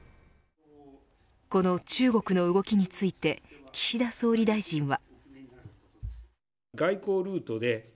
この中国の動きについて岸田総理大臣は。